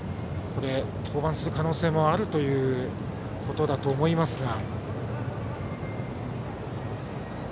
これは登板する可能性もあるということだと思いますが。